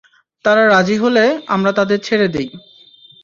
তারা রাজি হলে, আমরা তাদের ছেড়ে দিই।